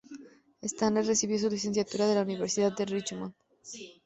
Stanley recibió su licenciatura de la Universidad de Richmond.